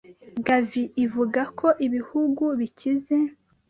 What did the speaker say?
Gavi ivuga ko ibihugu bikize